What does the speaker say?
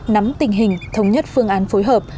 nắm tình hình thống nhất phương án phối hợp